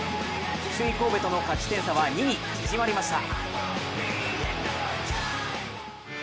首位・神戸との勝ち点差は２に縮まりました。